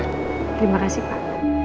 terima kasih pak